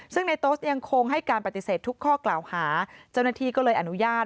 ซึ่งในโต๊สยังคงให้การปฏิเสธทุกข้อกล่าวหาเจ้าหน้าที่ก็เลยอนุญาต